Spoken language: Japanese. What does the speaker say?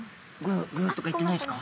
「ググ」とか言ってないですか？